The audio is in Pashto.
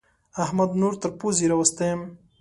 احمد نور تر پوزې راوستی يم.